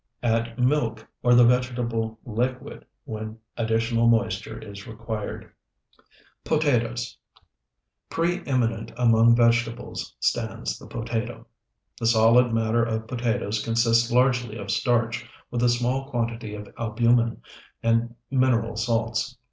Add milk or the vegetable liquid when additional moisture is required. POTATOES Pre eminent among vegetables stands the potato. The solid matter of potatoes consists largely of starch, with a small quantity of albumen and mineral salts.